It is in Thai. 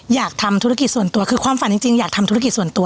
อยากทำธุรกิจส่วนตัวคือความฝันจริงอยากทำธุรกิจส่วนตัว